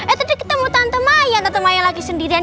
eh tadi ketemu tante maya tante maya lagi sendirian